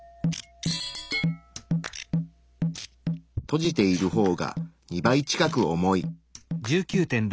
閉じている方が２倍近く重い。